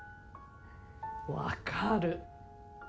分かる。